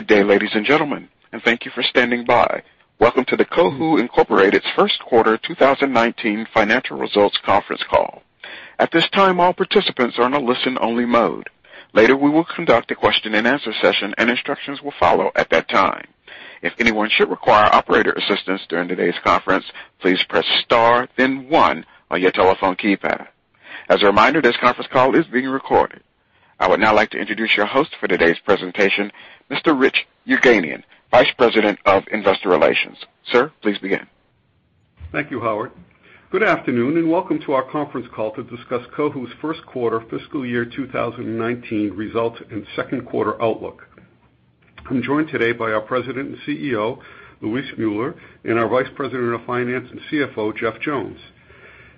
Good day, ladies and gentlemen, and thank you for standing by. Welcome to the Cohu, Inc.'s first quarter 2019 financial results conference call. At this time, all participants are in a listen-only mode. Later, we will conduct a question and answer session, and instructions will follow at that time. If anyone should require operator assistance during today's conference, please press star then one on your telephone keypad. As a reminder, this conference call is being recorded. I would now like to introduce your host for today's presentation, Mr. Richard Yerganian, Vice President of Investor Relations. Sir, please begin. Thank you, Howard. Good afternoon, and welcome to our conference call to discuss Cohu's first quarter fiscal year 2019 results and second quarter outlook. I'm joined today by our President and CEO, Luis Müller, and our Vice President of Finance and CFO, Jeff Jones.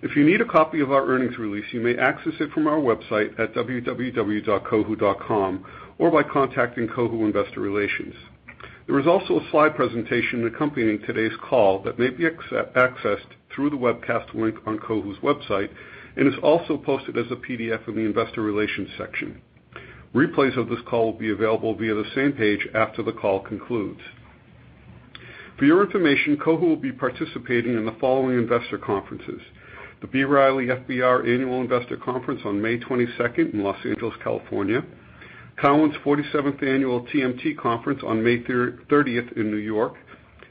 If you need a copy of our earnings release, you may access it from our website at www.cohu.com or by contacting Cohu Investor Relations. There is also a slide presentation accompanying today's call that may be accessed through the webcast link on Cohu's website and is also posted as a PDF in the investor relations section. Replays of this call will be available via the same page after the call concludes. For your information, Cohu will be participating in the following investor conferences: the B. Riley FBR Annual Investor Conference on May 22nd in Los Angeles, California, Cowen's 47th Annual TMT Conference on May 30th in New York,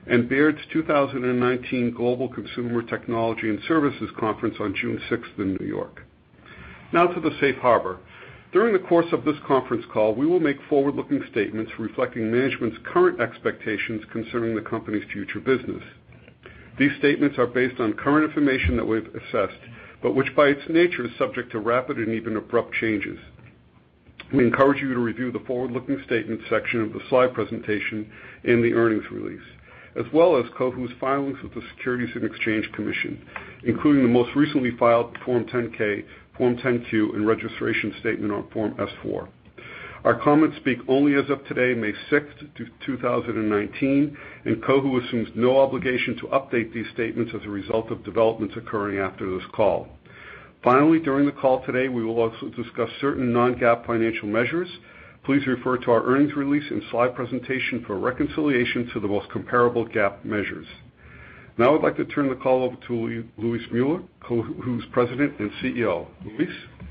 and Baird's 2019 Global Consumer Technology and Services Conference on June 6th in New York. Now to the safe harbor. During the course of this conference call, we will make forward-looking statements reflecting management's current expectations concerning the company's future business. These statements are based on current information that we've assessed, but which by its nature is subject to rapid and even abrupt changes. We encourage you to review the forward-looking statements section of the slide presentation in the earnings release, as well as Cohu's filings with the Securities and Exchange Commission, including the most recently filed Form 10-K, Form 10-Q, and registration statement on Form S-4. Our comments speak only as of today, May 6th, 2019, and Cohu assumes no obligation to update these statements as a result of developments occurring after this call. Finally, during the call today, we will also discuss certain non-GAAP financial measures. Please refer to our earnings release and slide presentation for a reconciliation to the most comparable GAAP measures. Now I'd like to turn the call over to Luis Müller, Cohu's President and CEO. Luis?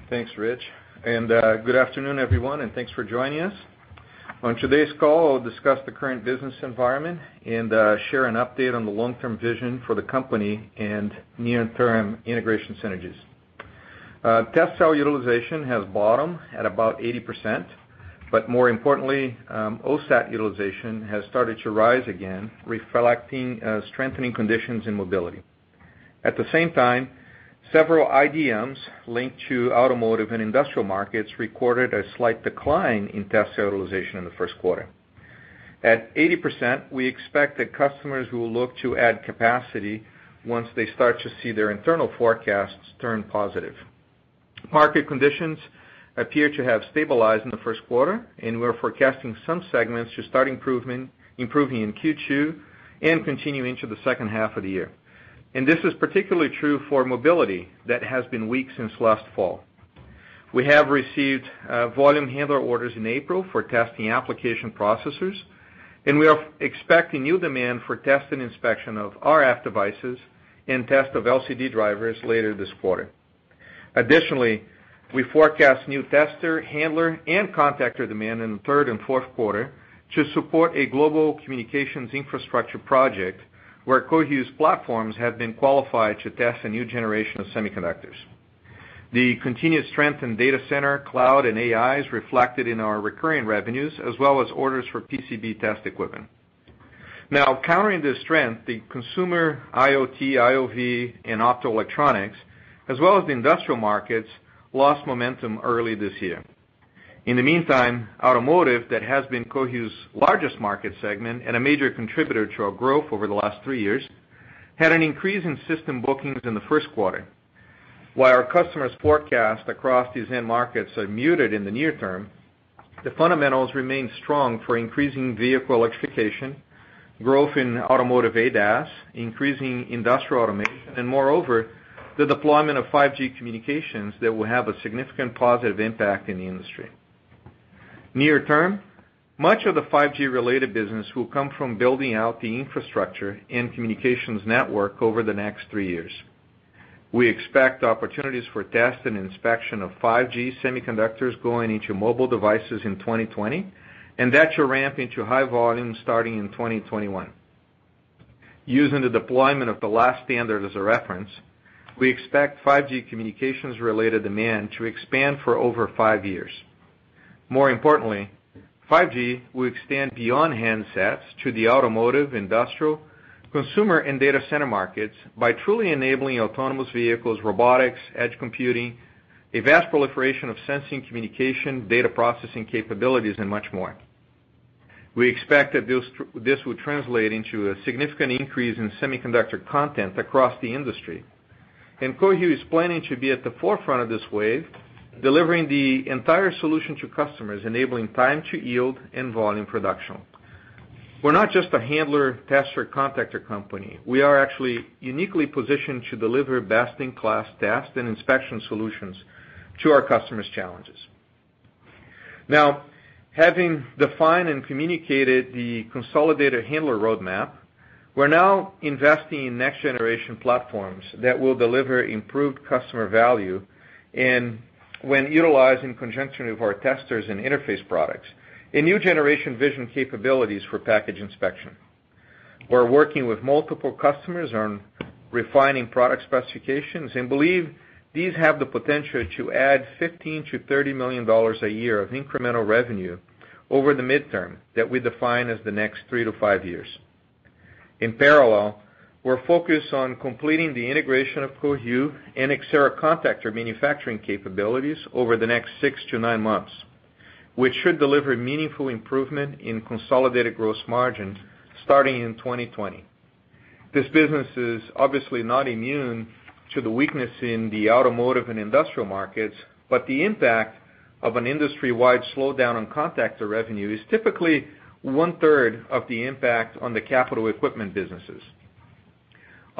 Thanks, Rich, and good afternoon, everyone, and thanks for joining us. On today's call, I will discuss the current business environment and share an update on the long-term vision for the company and near-term integration synergies. Test cell utilization has bottomed at about 80%, but more importantly, OSAT utilization has started to rise again, reflecting strengthening conditions in mobility. At the same time, several IDMs linked to automotive and industrial markets recorded a slight decline in test cell utilization in the first quarter. At 80%, we expect that customers will look to add capacity once they start to see their internal forecasts turn positive. Market conditions appear to have stabilized in the first quarter. We are forecasting some segments to start improving in Q2 and continuing to the second half of the year. This is particularly true for mobility that has been weak since last fall. We have received volume handler orders in April for testing application processors. We are expecting new demand for test and inspection of RF devices and test of LCD drivers later this quarter. Additionally, we forecast new tester, handler, and contactor demand in the third and fourth quarter to support a global communications infrastructure project where Cohu's platforms have been qualified to test a new generation of semiconductors. The continued strength in data center, cloud, and AI is reflected in our recurring revenues, as well as orders for PCB test equipment. Now, countering this strength, the consumer IoT, IoV, and optoelectronics, as well as the industrial markets, lost momentum early this year. In the meantime, automotive, that has been Cohu's largest market segment and a major contributor to our growth over the last three years, had an increase in system bookings in the first quarter. While our customers' forecasts across these end markets are muted in the near term, the fundamentals remain strong for increasing vehicle electrification, growth in automotive ADAS, increasing industrial automation, and moreover, the deployment of 5G communications that will have a significant positive impact in the industry. Near term, much of the 5G-related business will come from building out the infrastructure and communications network over the next three years. We expect opportunities for test and inspection of 5G semiconductors going into mobile devices in 2020. That should ramp into high volume starting in 2021. Using the deployment of the last standard as a reference, we expect 5G communications-related demand to expand for over five years. More importantly, 5G will extend beyond handsets to the automotive, industrial, consumer, and data center markets by truly enabling autonomous vehicles, robotics, edge computing, a vast proliferation of sensing communication, data processing capabilities, and much more. We expect that this will translate into a significant increase in semiconductor content across the industry. Cohu is planning to be at the forefront of this wave, delivering the entire solution to customers, enabling time to yield and volume production. We are not just a handler, tester, contactor company. We are actually uniquely positioned to deliver best-in-class test and inspection solutions to our customers' challenges. Now, having defined and communicated the consolidated handler roadmap, we are now investing in next-generation platforms that will deliver improved customer value, and when utilized in conjunction with our testers and interface products, a new generation vision capabilities for package inspection. We're working with multiple customers on refining product specifications and believe these have the potential to add $15 million-$30 million a year of incremental revenue over the midterm that we define as the next 3-5 years. In parallel, we're focused on completing the integration of Cohu and Xcerra contactor manufacturing capabilities over the next 6-9 months, which should deliver meaningful improvement in consolidated gross margins starting in 2020. This business is obviously not immune to the weakness in the automotive and industrial markets, but the impact of an industry-wide slowdown on contactor revenue is typically one-third of the impact on the capital equipment businesses.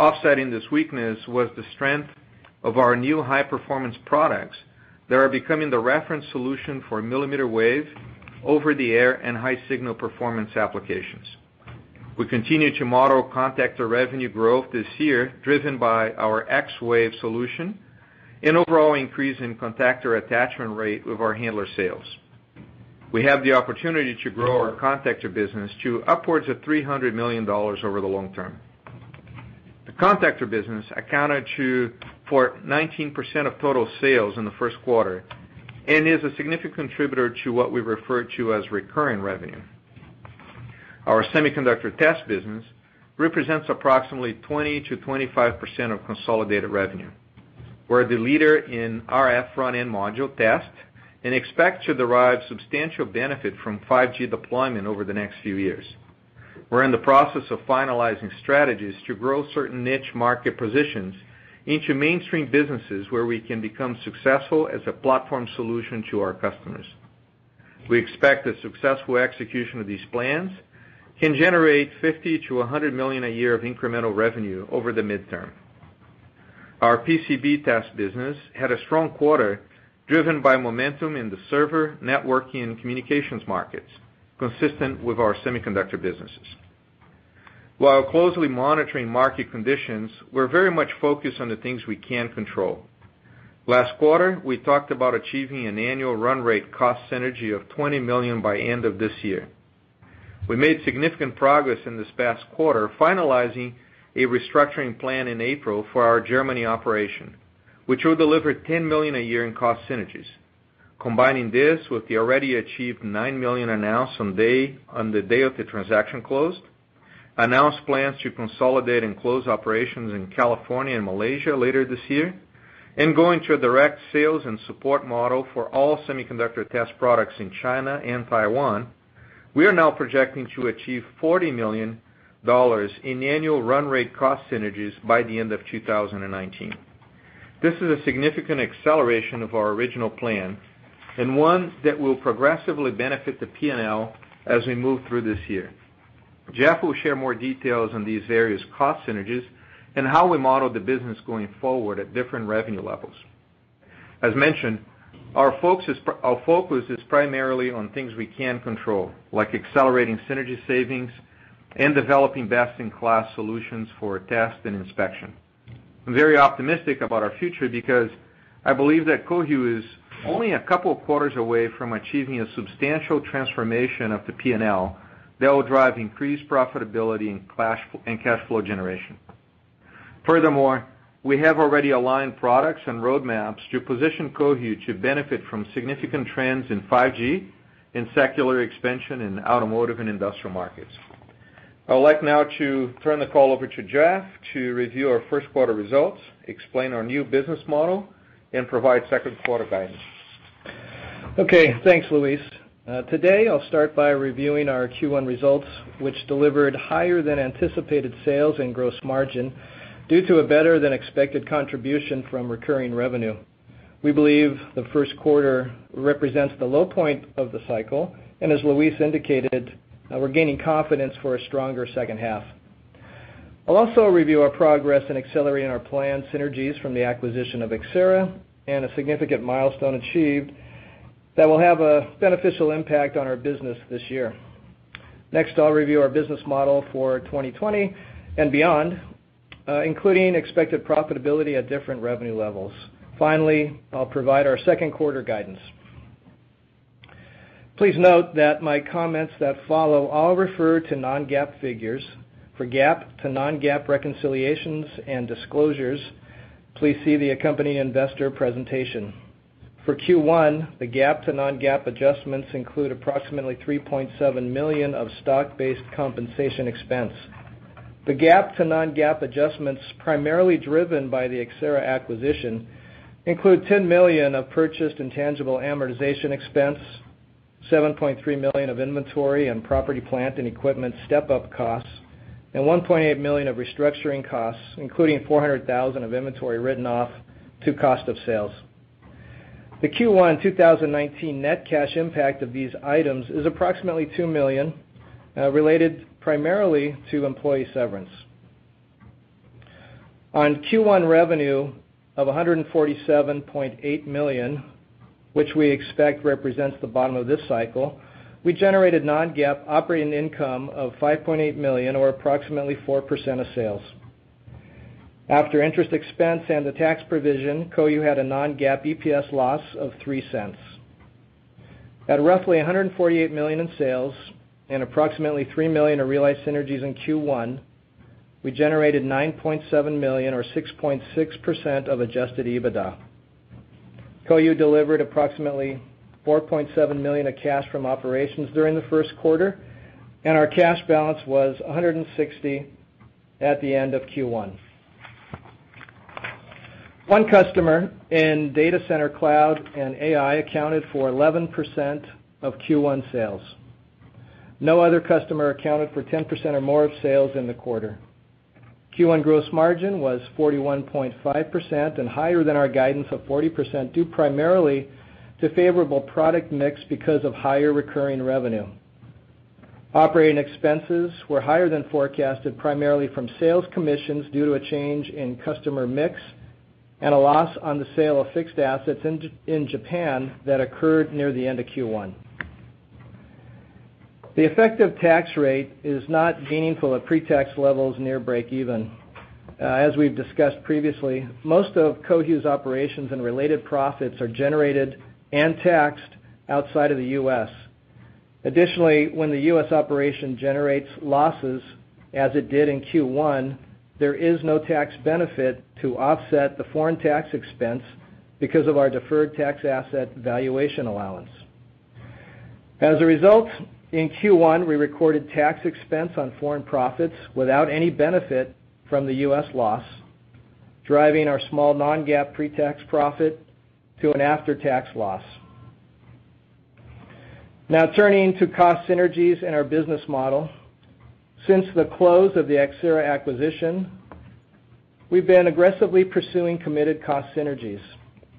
Offsetting this weakness was the strength of our new high-performance products that are becoming the reference solution for millimeter wave, over-the-air, and high signal performance applications. We continue to model contactor revenue growth this year, driven by our xWave solution and overall increase in contactor attachment rate with our handler sales. We have the opportunity to grow our contactor business to upwards of $300 million over the long term. The contactor business accounted for 19% of total sales in the first quarter, and is a significant contributor to what we refer to as recurring revenue. Our semiconductor test business represents approximately 20%-25% of consolidated revenue. We're the leader in RF front-end module test and expect to derive substantial benefit from 5G deployment over the next few years. We're in the process of finalizing strategies to grow certain niche market positions into mainstream businesses where we can become successful as a platform solution to our customers. We expect the successful execution of these plans can generate $50 million-$100 million a year of incremental revenue over the midterm. Our PCB test business had a strong quarter, driven by momentum in the server, networking, and communications markets, consistent with our semiconductor businesses. While closely monitoring market conditions, we're very much focused on the things we can control. Last quarter, we talked about achieving an annual run rate cost synergy of $20 million by end of this year. We made significant progress in this past quarter, finalizing a restructuring plan in April for our Germany operation, which will deliver $10 million a year in cost synergies. Combining this with the already achieved $9 million announced on the day of the transaction closed, announced plans to consolidate and close operations in California and Malaysia later this year, and going to a direct sales and support model for all semiconductor test products in China and Taiwan, we are now projecting to achieve $40 million in annual run rate cost synergies by the end of 2019. This is a significant acceleration of our original plan, and one that will progressively benefit the P&L as we move through this year. Jeff will share more details on these various cost synergies and how we model the business going forward at different revenue levels. As mentioned, our focus is primarily on things we can control, like accelerating synergy savings and developing best-in-class solutions for test and inspection. I'm very optimistic about our future because I believe that Cohu is only a couple of quarters away from achieving a substantial transformation of the P&L that will drive increased profitability and cash flow generation. Furthermore, we have already aligned products and roadmaps to position Cohu to benefit from significant trends in 5G and secular expansion in automotive and industrial markets. I would like now to turn the call over to Jeff to review our first quarter results, explain our new business model, and provide second quarter guidance. Okay, thanks, Luis. Today, I'll start by reviewing our Q1 results, which delivered higher than anticipated sales and gross margin due to a better than expected contribution from recurring revenue. We believe the first quarter represents the low point of the cycle, and as Luis indicated, we're gaining confidence for a stronger second half. I'll also review our progress in accelerating our planned synergies from the acquisition of Xcerra and a significant milestone achieved that will have a beneficial impact on our business this year. Next, I'll review our business model for 2020 and beyond, including expected profitability at different revenue levels. Finally, I'll provide our second quarter guidance. Please note that my comments that follow all refer to non-GAAP figures. For GAAP to non-GAAP reconciliations and disclosures, please see the accompanying investor presentation. For Q1, the GAAP to non-GAAP adjustments include approximately $3.7 million of stock-based compensation expense. The GAAP to non-GAAP adjustments, primarily driven by the Xcerra acquisition, include $10 million of purchased intangible amortization expense, $7.3 million of inventory and property plant and equipment step-up costs, and $1.8 million of restructuring costs, including $400,000 of inventory written off to cost of sales. The Q1 2019 net cash impact of these items is approximately $2 million, related primarily to employee severance. On Q1 revenue of $147.8 million, which we expect represents the bottom of this cycle, we generated non-GAAP operating income of $5.8 million, or approximately 4% of sales. After interest expense and the tax provision, Cohu had a non-GAAP EPS loss of $0.03. At roughly $148 million in sales and approximately $3 million of realized synergies in Q1, we generated $9.7 million or 6.6% of adjusted EBITDA. Cohu delivered approximately $4.7 million of cash from operations during the first quarter, and our cash balance was $160 million at the end of Q1. One customer in data center cloud and AI accounted for 11% of Q1 sales. No other customer accounted for 10% or more of sales in the quarter. Q1 gross margin was 41.5% and higher than our guidance of 40%, due primarily to favorable product mix because of higher recurring revenue. Operating expenses were higher than forecasted, primarily from sales commissions due to a change in customer mix and a loss on the sale of fixed assets in Japan that occurred near the end of Q1. The effective tax rate is not meaningful at pre-tax levels near breakeven. As we've discussed previously, most of Cohu's operations and related profits are generated and taxed outside of the U.S. Additionally, when the U.S. operation generates losses, as it did in Q1, there is no tax benefit to offset the foreign tax expense because of our deferred tax asset valuation allowance. As a result, in Q1, we recorded tax expense on foreign profits without any benefit from the U.S. loss, driving our small non-GAAP pre-tax profit to an after-tax loss. Now turning to cost synergies and our business model. Since the close of the Xcerra acquisition, we've been aggressively pursuing committed cost synergies.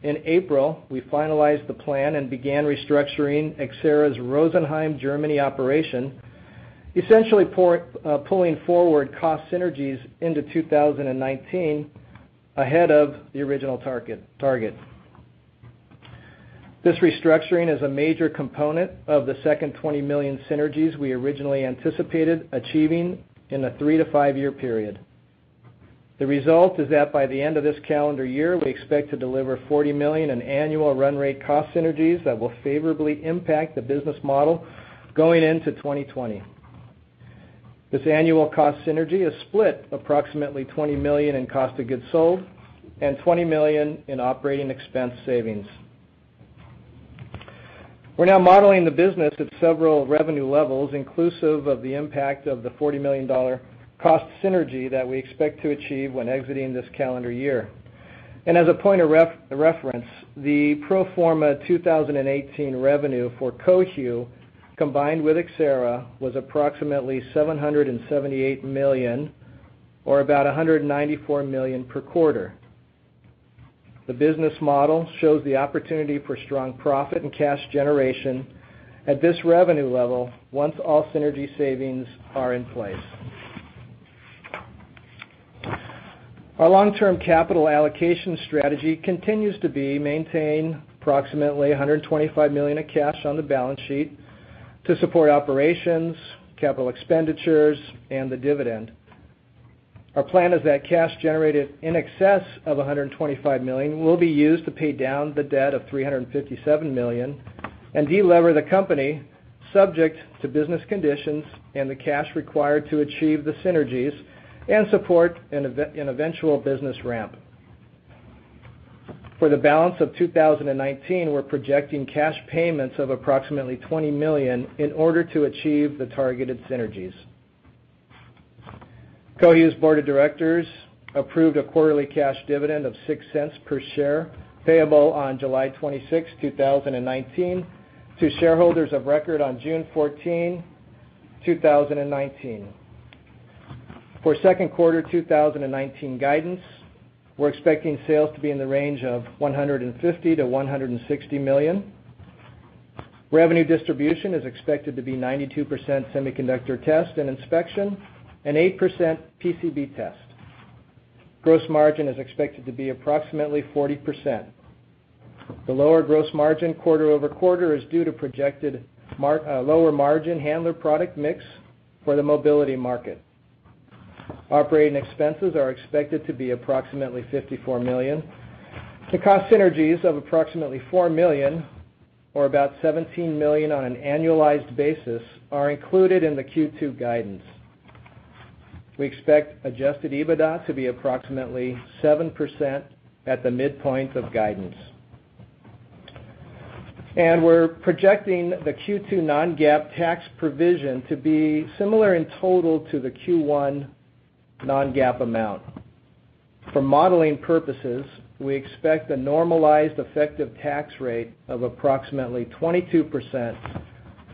In April, we finalized the plan and began restructuring Xcerra's Rosenheim, Germany operation, essentially pulling forward cost synergies into 2019 ahead of the original target. This restructuring is a major component of the second $20 million synergies we originally anticipated achieving in a three-to-five-year period. The result is that by the end of this calendar year, we expect to deliver $40 million in annual run rate cost synergies that will favorably impact the business model going into 2020. This annual cost synergy is split approximately $20 million in cost of goods sold and $20 million in operating expense savings. We're now modeling the business at several revenue levels, inclusive of the impact of the $40 million cost synergy that we expect to achieve when exiting this calendar year. As a point of reference, the pro forma 2018 revenue for Cohu, combined with Xcerra, was approximately $778 million or about $194 million per quarter. The business model shows the opportunity for strong profit and cash generation at this revenue level, once all synergy savings are in place. Our long-term capital allocation strategy continues to be maintain approximately $125 million of cash on the balance sheet to support operations, capital expenditures, and the dividend. Our plan is that cash generated in excess of $125 million will be used to pay down the debt of $357 million and de-lever the company subject to business conditions and the cash required to achieve the synergies and support an eventual business ramp. For the balance of 2019, we're projecting cash payments of approximately $20 million in order to achieve the targeted synergies. Cohu's board of directors approved a quarterly cash dividend of $0.06 per share, payable on July 26, 2019, to shareholders of record on June 14, 2019. For second quarter 2019 guidance, we're expecting sales to be in the range of $150 million-$160 million. Revenue distribution is expected to be 92% semiconductor test and inspection and 8% PCB test. Gross margin is expected to be approximately 40%. The lower gross margin quarter-over-quarter is due to projected lower margin handler product mix for the mobility market. Operating expenses are expected to be approximately $54 million. The cost synergies of approximately $4 million or about $17 million on an annualized basis are included in the Q2 guidance. We expect adjusted EBITDA to be approximately 7% at the midpoint of guidance. We're projecting the Q2 non-GAAP tax provision to be similar in total to the Q1 non-GAAP amount. For modeling purposes, we expect a normalized effective tax rate of approximately 22%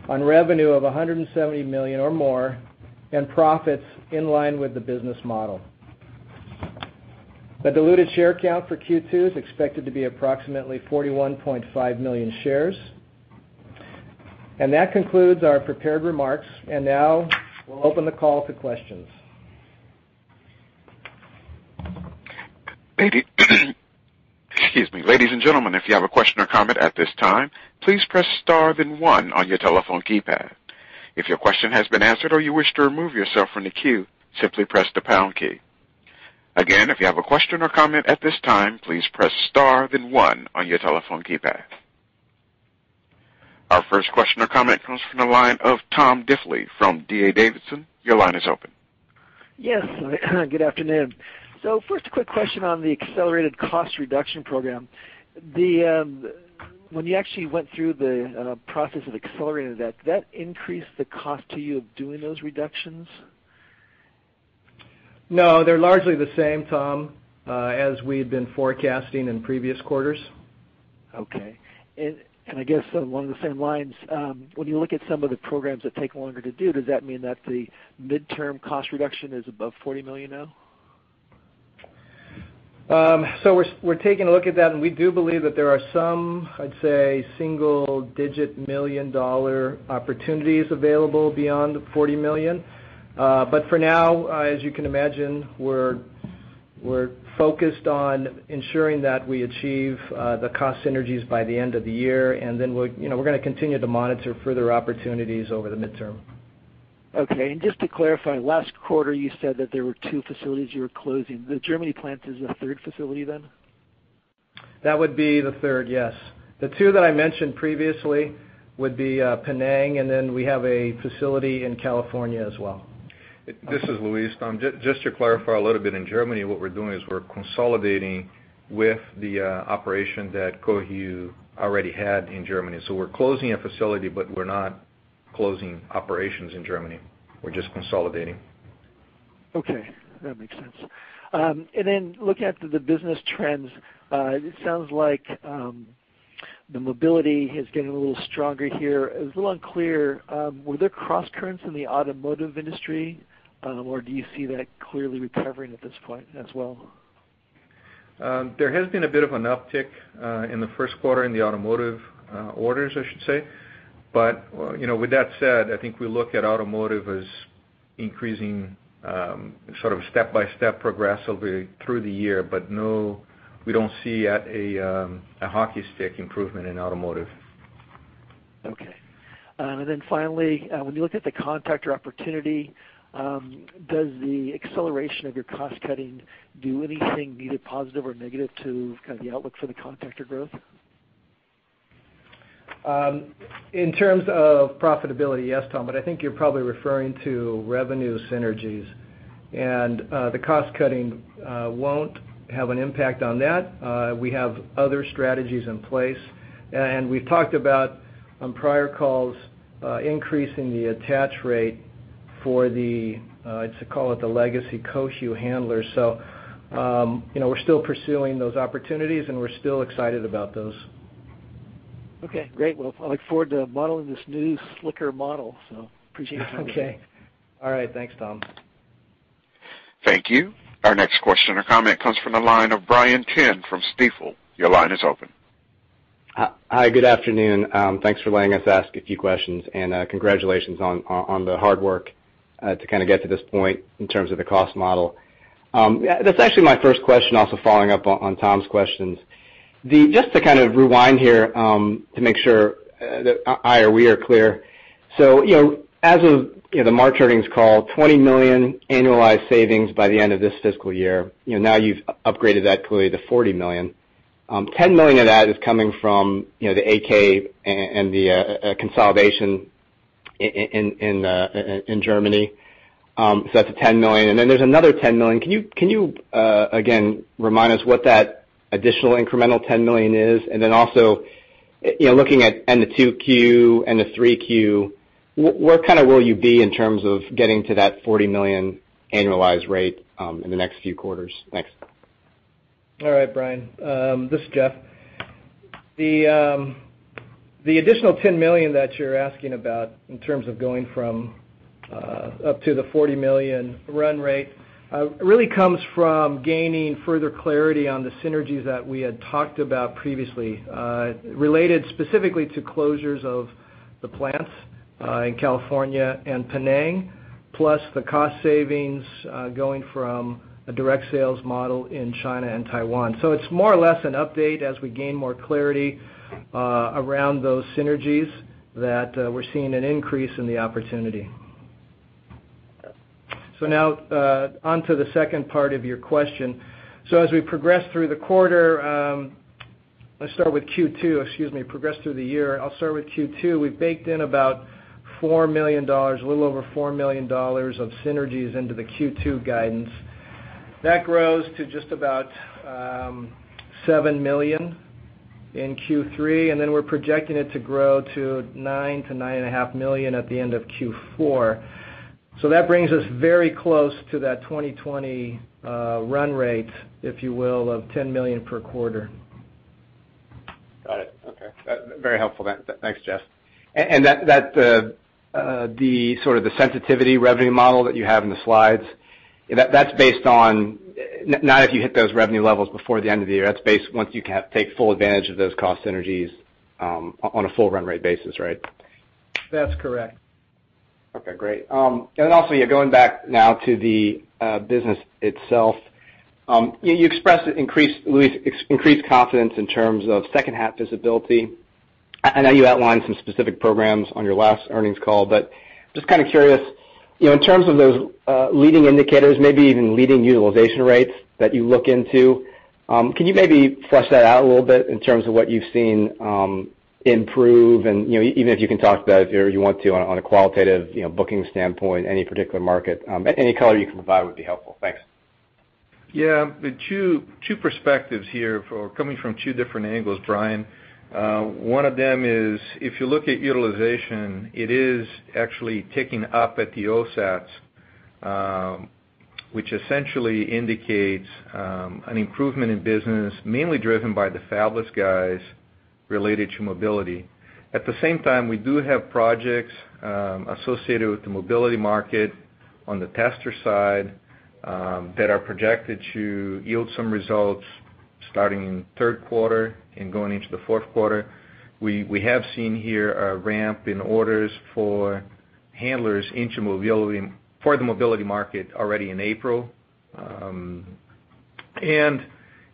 on revenue of $170 million or more and profits in line with the business model. The diluted share count for Q2 is expected to be approximately 41.5 million shares. That concludes our prepared remarks. Now we'll open the call to questions. Excuse me. Ladies and gentlemen, if you have a question or comment at this time, please press star then one on your telephone keypad. If your question has been answered or you wish to remove yourself from the queue, simply press the pound key. Again, if you have a question or comment at this time, please press star then one on your telephone keypad. Our first question or comment comes from the line of Tom Diffely from D.A. Davidson. Your line is open. Yes. Good afternoon. First, a quick question on the accelerated cost reduction program. When you actually went through the process of accelerating that, did that increase the cost to you of doing those reductions? No, they're largely the same, Tom, as we had been forecasting in previous quarters. Okay. I guess along the same lines, when you look at some of the programs that take longer to do, does that mean that the midterm cost reduction is above $40 million now? We're taking a look at that, and we do believe that there are some, I'd say, single-digit million dollar opportunities available beyond the $40 million. For now, as you can imagine, we're focused on ensuring that we achieve the cost synergies by the end of the year. Then we're going to continue to monitor further opportunities over the midterm. Okay. Just to clarify, last quarter you said that there were two facilities you were closing. The Germany plant is the third facility then? That would be the third, yes. The two that I mentioned previously would be Penang, and then we have a facility in California as well. This is Luis. Tom, just to clarify a little bit, in Germany, what we're doing is we're consolidating with the operation that Cohu already had in Germany. We're closing a facility, but we're not closing operations in Germany. We're just consolidating. Okay. That makes sense. Looking at the business trends, it sounds like the mobility is getting a little stronger here. It was a little unclear, were there crosscurrents in the automotive industry? Do you see that clearly recovering at this point as well? There has been a bit of an uptick in the first quarter in the automotive orders, I should say. With that said, I think we look at automotive as increasing sort of step-by-step progressively through the year. No, we don't see a hockey stick improvement in automotive. Okay. Finally, when you look at the contactor opportunity, does the acceleration of your cost-cutting do anything, be it positive or negative, to kind of the outlook for the contactor growth? In terms of profitability, yes, Tom, I think you're probably referring to revenue synergies. The cost-cutting won't have an impact on that. We have other strategies in place. We've talked about, on prior calls, increasing the attach rate for the, let's call it the legacy Cohu handler. We're still pursuing those opportunities, and we're still excited about those. Okay, great. Well, I look forward to modeling this new slicker model. Appreciate your time. Okay. All right. Thanks, Tom. Thank you. Our next question or comment comes from the line of Brian Chin from Stifel. Your line is open. Hi, good afternoon. Thanks for letting us ask a few questions and congratulations on the hard work to kind of get to this point in terms of the cost model. That's actually my first question, also following up on Tom's questions. Just to kind of rewind here, to make sure that I or we are clear. As of the March earnings call, $20 million annualized savings by the end of this fiscal year. Now you've upgraded that clearly to $40 million. $10 million of that is coming from the AK and the consolidation in Germany. That's the $10 million, and then there's another $10 million. Can you, again, remind us what that additional incremental $10 million is? Also, looking at end-of-2Q, end-of-3Q, where will you be in terms of getting to that $40 million annualized rate in the next few quarters? Thanks. All right, Brian. This is Jeff. The additional $10 million that you're asking about in terms of going from up to the $40 million run rate, really comes from gaining further clarity on the synergies that we had talked about previously. Related specifically to closures of the plants in California and Penang, plus the cost savings going from a direct sales model in China and Taiwan. It's more or less an update as we gain more clarity around those synergies that we're seeing an increase in the opportunity. Now, on to the second part of your question. As we progress through the quarter, let's start with Q2, excuse me, progress through the year. I'll start with Q2. We've baked in about $4 million, a little over $4 million of synergies into the Q2 guidance. That grows to just about $7 million in Q3, and then we're projecting it to grow to $9 million to $9.5 million at the end of Q4. That brings us very close to that 2020 run rate, if you will, of $10 million per quarter. Got it. Okay. Very helpful. Thanks, Jeff. That sort of the sensitivity revenue model that you have in the slides, that's based on not if you hit those revenue levels before the end of the year, that's based once you take full advantage of those cost synergies on a full run rate basis, right? That's correct. Okay, great. Also, going back now to the business itself. You expressed increased confidence in terms of second half visibility. I know you outlined some specific programs on your last earnings call, but just kind of curious, in terms of those leading indicators, maybe even leading utilization rates that you look into, can you maybe flesh that out a little bit in terms of what you've seen improve and, even if you can talk about if you want to, on a qualitative booking standpoint, any particular market, any color you can provide would be helpful. Thanks. Yeah. The two perspectives here coming from two different angles, Brian. One of them is, if you look at utilization, it is actually ticking up at the OSATs, which essentially indicates an improvement in business, mainly driven by the fabless guys related to mobility. At the same time, we do have projects associated with the mobility market on the tester side that are projected to yield some results starting in third quarter and going into the fourth quarter. We have seen here a ramp in orders for handlers into mobility for the mobility market already in April.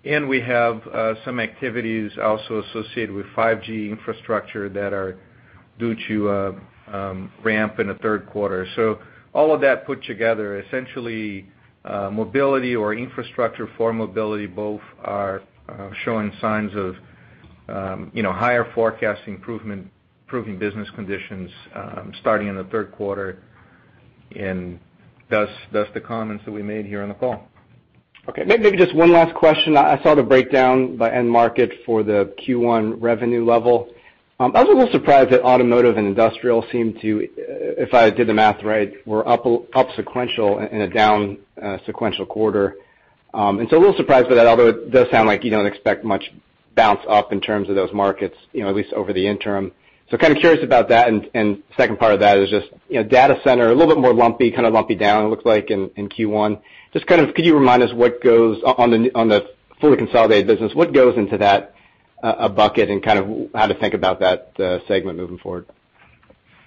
We have some activities also associated with 5G infrastructure that are due to ramp in the third quarter. All of that put together, essentially, mobility or infrastructure for mobility both are showing signs of higher forecast improvement, improving business conditions starting in the third quarter, thus the comments that we made here on the call. Okay. Maybe just one last question. I saw the breakdown by end market for the Q1 revenue level. I was a little surprised that automotive and industrial seemed to, if I did the math right, were up sequential in a down sequential quarter. A little surprised by that, although it does sound like you don't expect much bounce up in terms of those markets, at least over the interim. Kind of curious about that. Second part of that is just data center, a little bit more lumpy, kind of lumpy down, it looks like in Q1. Just, could you remind us what goes on the fully consolidated business? What goes into that bucket, and kind of how to think about that segment moving forward?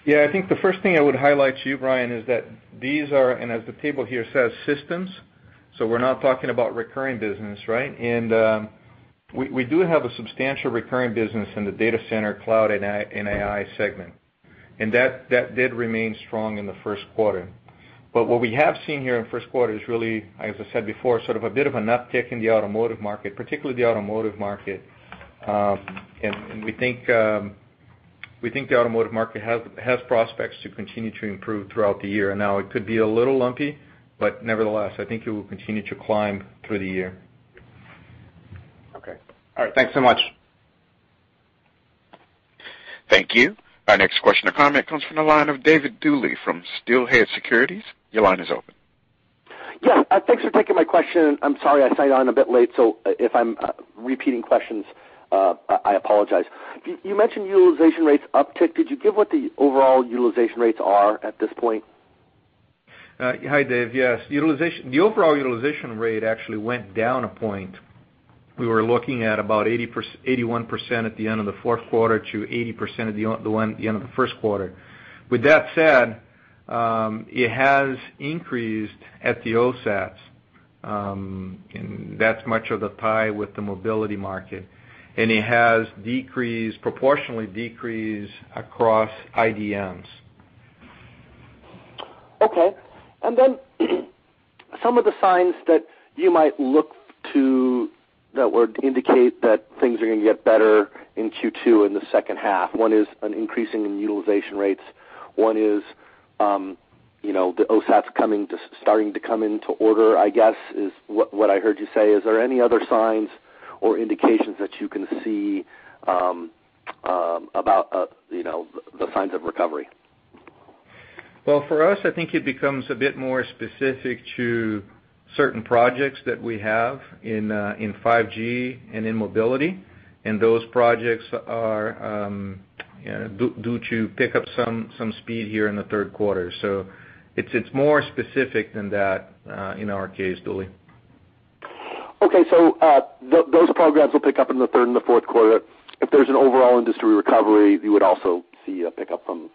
I think the first thing I would highlight to you, Brian, is that these are as the table here says systems, so we're not talking about recurring business, right? We do have a substantial recurring business in the data center, cloud, and AI segment. That did remain strong in the first quarter. What we have seen here in the first quarter is really, as I said before, sort of a bit of an uptick in the automotive market, particularly the automotive market. We think the automotive market has prospects to continue to improve throughout the year. It could be a little lumpy, but nevertheless, I think it will continue to climb through the year. Okay. All right. Thanks so much. Thank you. Our next question or comment comes from the line of David Duley from Steelhead Securities. Your line is open. Thanks for taking my question. I'm sorry I signed on a bit late, if I'm repeating questions, I apologize. You mentioned utilization rates uptick. Could you give what the overall utilization rates are at this point? Hi, Dave. Yes. The overall utilization rate actually went down a point. We were looking at about 81% at the end of the fourth quarter to 80% at the end of the first quarter. With that said, it has increased at the OSATs, and that's much of the tie with the mobility market, and it has proportionally decreased across IDMs. Okay. Some of the signs that you might look to that would indicate that things are going to get better in Q2 in the second half. One is an increasing in utilization rates. One is the OSATs starting to come into order, I guess, is what I heard you say. Is there any other signs or indications that you can see about the signs of recovery? Well, for us, I think it becomes a bit more specific to certain projects that we have in 5G and in mobility, and those projects are due to pick up some speed here in the third quarter. It's more specific than that in our case, Duley. Okay. Those programs will pick up in the third and the fourth quarter. If there's an overall industry recovery, you would also see a pickup from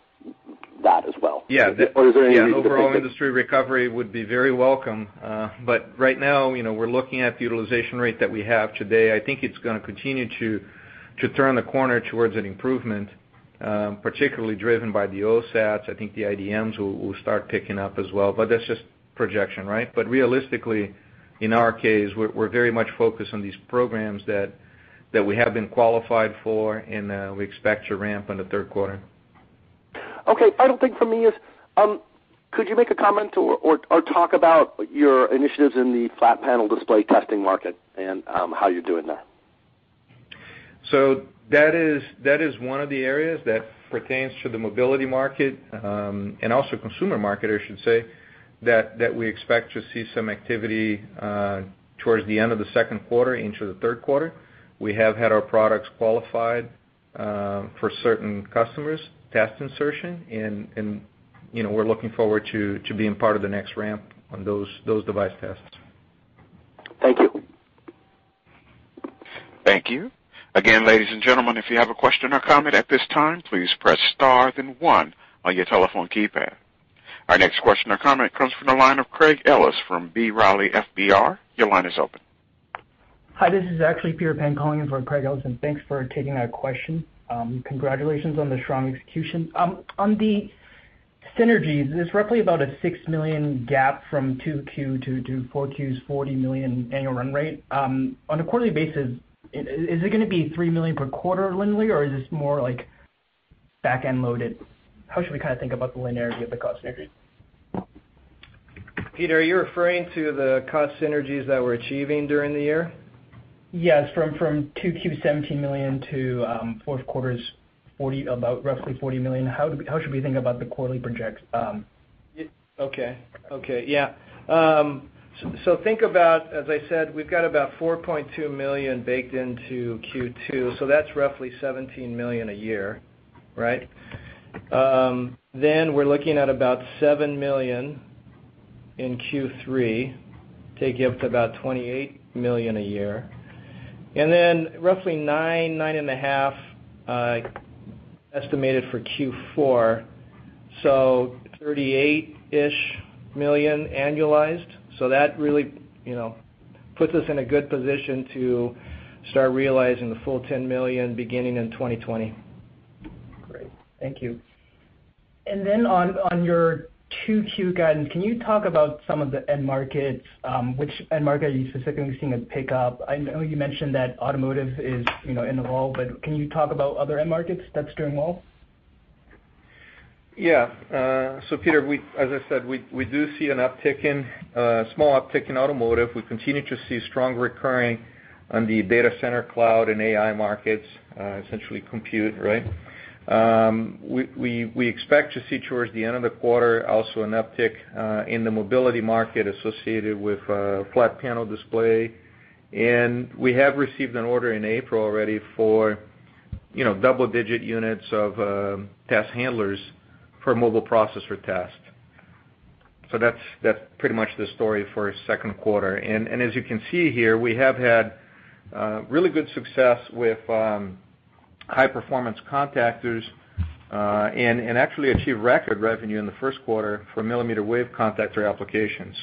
that as well. Yeah. Is there any? The overall industry recovery would be very welcome. Right now, we're looking at the utilization rate that we have today. I think it's going to continue to turn the corner towards an improvement, particularly driven by the OSATs. I think the IDMs will start picking up as well, that's just projection, right? Realistically, in our case, we're very much focused on these programs that we have been qualified for and we expect to ramp in the third quarter. Okay. Final thing from me is, could you make a comment or talk about your initiatives in the flat panel display testing market and how you're doing there? That is one of the areas that pertains to the mobility market, and also consumer market, I should say. We expect to see some activity towards the end of the second quarter into the third quarter. We have had our products qualified for certain customers, test insertion, and we're looking forward to being part of the next ramp on those device tests. Thank you. Thank you. Again, ladies and gentlemen, if you have a question or comment at this time, please press star then one on your telephone keypad. Our next question or comment comes from the line of Craig Ellis from B. Riley FBR. Your line is open. Hi, this is actually Peter Peng calling in for Craig Ellis, thanks for taking my question. Congratulations on the strong execution. On the synergies, there's roughly about a $6 million gap from 2Q to 4Q's $40 million annual run rate. On a quarterly basis, is it going to be $3 million per quarter linearly, or is this more back-end loaded? How should we think about the linearity of the cost synergies? Peter, are you referring to the cost synergies that we're achieving during the year? Yes. From 2Q $17 million to fourth quarter's about roughly $40 million. How should we think about the quarterly projects? Okay. Yeah. Think about, as I said, we've got about $4.2 million baked into Q2, so that's roughly $17 million a year. Right? We're looking at about $7 million in Q3, take you up to about $28 million a year, then roughly $9 million, $9.5 million estimated for Q4, so $38-ish million annualized. That really puts us in a good position to start realizing the full $10 million beginning in 2020. Great. Thank you. On your 2Q guidance, can you talk about some of the end markets? Which end market are you specifically seeing a pickup? I know you mentioned that automotive is in the lull, but can you talk about other end markets that's doing well? Yeah. Peter, as I said, we do see a small uptick in automotive. We continue to see strong recurring on the data center cloud and AI markets, essentially compute, right? We expect to see towards the end of the quarter also an uptick in the mobility market associated with flat panel display. We have received an order in April already for double-digit units of test handlers for mobile processor test. That's pretty much the story for second quarter. As you can see here, we have had really good success with high-performance contactors, and actually achieved record revenue in the first quarter for millimeter wave contactor applications.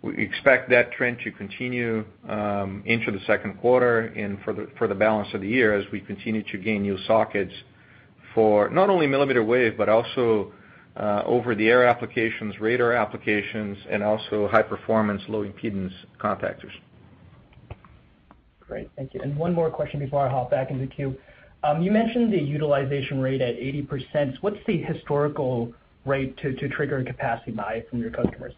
We expect that trend to continue into the second quarter and for the balance of the year as we continue to gain new sockets for not only millimeter wave, but also over-the-air applications, radar applications, and also high performance, low impedance contactors. Great. Thank you. One more question before I hop back in the queue. You mentioned the utilization rate at 80%. What's the historical rate to trigger a capacity buy from your customers?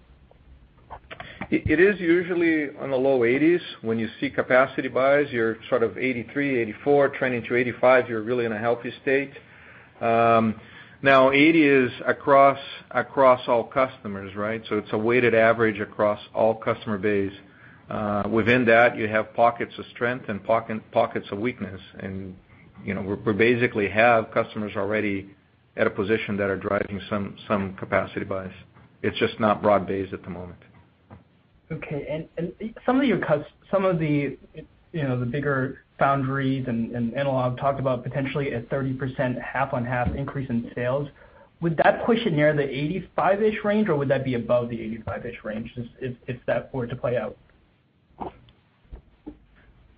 It is usually on the low 80s. When you see capacity buys, you're sort of 83, 84, trending to 85, you're really in a healthy state. Now 80 is across all customers, right? It's a weighted average across all customer base. Within that, you have pockets of strength and pockets of weakness, we basically have customers already at a position that are driving some capacity buys. It's just not broad base at the moment. Okay. Some of the bigger foundries and analog talked about potentially a 30% half-on-half increase in sales. Would that push it near the 85-ish range, or would that be above the 85-ish range if that were to play out?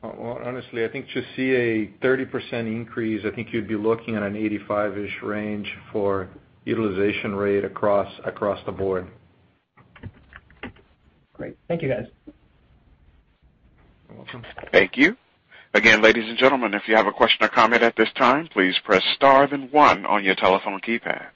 Well, honestly, I think to see a 30% increase, I think you'd be looking at an 85-ish range for utilization rate across the board. Great. Thank you, guys. You're welcome. Thank you. Again, ladies and gentlemen, if you have a question or comment at this time, please press star then one on your telephone keypad.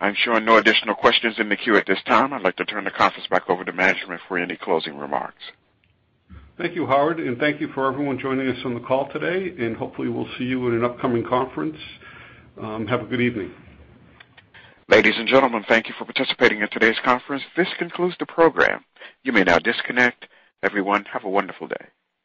I'm showing no additional questions in the queue at this time. I'd like to turn the conference back over to management for any closing remarks. Thank you, Howard, and thank you for everyone joining us on the call today, and hopefully we'll see you at an upcoming conference. Have a good evening. Ladies and gentlemen, thank you for participating in today's conference. This concludes the program. You may now disconnect. Everyone, have a wonderful day.